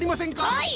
はい！